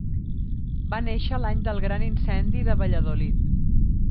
Va néixer l'any del gran incendi de Valladolid.